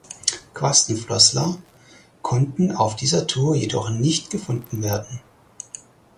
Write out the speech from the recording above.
Quastenflosser konnten auf dieser Tour jedoch nicht gefunden werden.